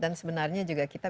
dan sebenarnya juga kita